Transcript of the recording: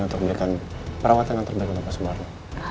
untuk memberikan perawatan yang terbaik untuk pak sumarno